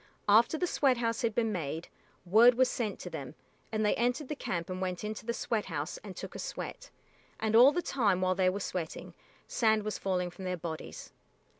After the sweat house had been made, word was sent to them, and they entered the camp and went into the sweat house and took a sweat, and all the time while they were sweating, sand was falling from their bodies.